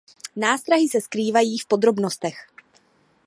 Nástrahy se skrývají v podrobnostech.